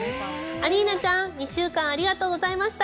アリーナちゃん、２週間ありがとうございました。